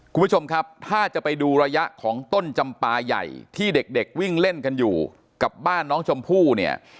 คุณผู้ชมครับถ้าจะไปดูระยะของต้นจำปลาใหญ่ที่เด็กวิ่งเล่นกันอยู่กับบ้านน้องชมพู่เนี่ย